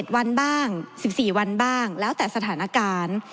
๗วันบ้าง๑๔วันบ้างแล้วแต่สถานการณ์